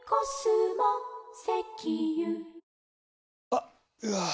あっ、うわー。